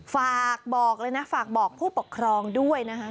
ฝากบอกเลยนะฝากบอกผู้ปกครองด้วยนะคะ